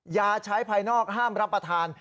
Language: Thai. ยาใช้ภายนอกห้ามรับประทาน